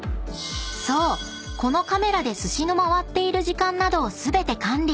このカメラで寿司の回っている時間などを全て管理。